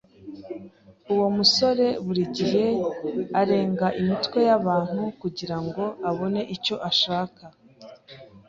Uwo musore burigihe arenga imitwe yabantu kugirango abone icyo ashaka.